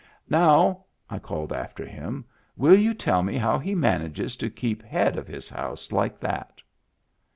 " Now," I called after him, " will you tell me how he manages to keep head of his house like that?"